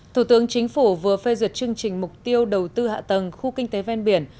thủ tướng chính phủ vừa phê duyệt chương trình mục tiêu đầu tư hạ tầng khu kinh tế ven biển